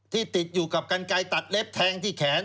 ติดอยู่กับกันไกลตัดเล็บแทงที่แขน